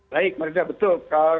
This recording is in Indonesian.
baik mbak brida betul